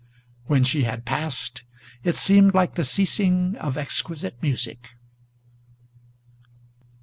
When she had passed, it seemed like the ceasing of exquisite music.